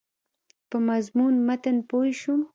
په مضمون متن پوه شوم.